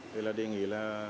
thì là đề nghị là